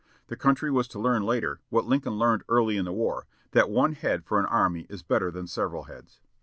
The country was to learn later, what Lincoln learned early in the war, that one head for an army is better than several heads.